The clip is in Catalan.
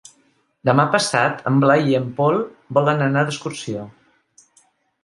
Demà passat en Blai i en Pol volen anar d'excursió.